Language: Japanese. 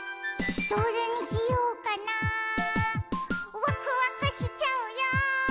「どれにしようかなわくわくしちゃうよ」